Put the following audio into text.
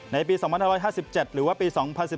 ในปี๒๕๕๗หรือว่าปี๒๐๑๙